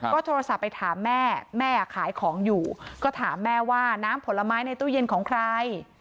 ก็โทรศัพท์ไปถามแม่แม่ขายของอยู่ก็ถามแม่ว่าน้ำผลไม้ในตู้เย็นของใคร